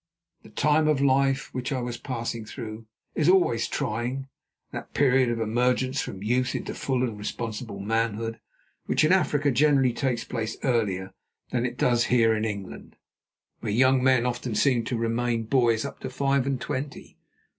The time of life which I was passing through is always trying; that period of emergence from youth into full and responsible manhood which in Africa generally takes place earlier than it does here in England, where young men often seem to me to remain boys up to five and twenty.